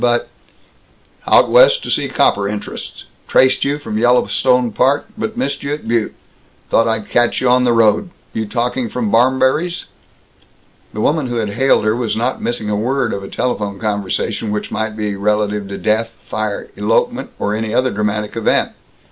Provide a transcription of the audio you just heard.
"B but " "Out West to see copper interests. Traced you from Yellowstone Park but missed you at Butte. Thought I'd catch you on road. You talking from Barmberry's?" The woman who had hailed her was not missing a word of a telephone conversation which might be relative to death, fire, elopement, or any other dramatic event.